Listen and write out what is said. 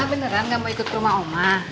beneran gak mau ikut rumah oma